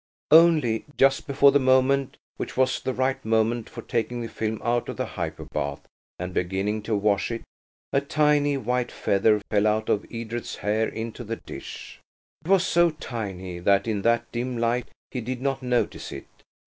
Only, just before the moment which was the right moment for taking the film out of the hypo bath and beginning to wash it, a tiny white feather fell out of Edred's hair into the dish. It was so tiny that in that dim light he did not notice it.